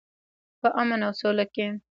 په امن او سوله کې.